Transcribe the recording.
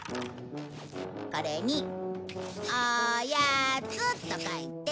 これに「おやつ」と書いて。